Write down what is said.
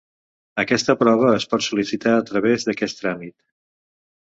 Aquesta prova es pot sol·licitar a través d'aquest tràmit.